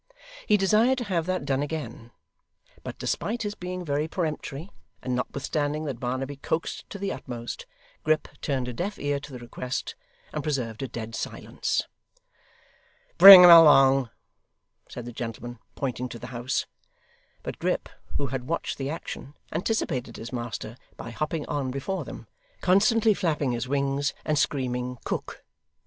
He desired to have that done again, but despite his being very peremptory, and notwithstanding that Barnaby coaxed to the utmost, Grip turned a deaf ear to the request, and preserved a dead silence. 'Bring him along,' said the gentleman, pointing to the house. But Grip, who had watched the action, anticipated his master, by hopping on before them; constantly flapping his wings, and screaming 'cook!